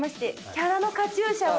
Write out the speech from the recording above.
キャラのカチューシャをね